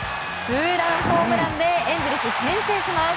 ツーランホームランでエンゼルス、先制します。